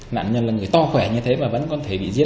nạn nhân là người to khỏe như thế mà vẫn có thể bị giết